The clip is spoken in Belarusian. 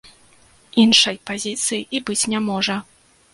Іншай пазіцыі і быць не можа.